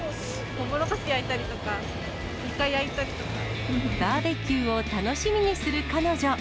とうもろこし焼いたりとか、バーベキューを楽しみにする彼女。